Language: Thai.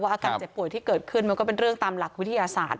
อาการเจ็บป่วยที่เกิดขึ้นมันก็เป็นเรื่องตามหลักวิทยาศาสตร์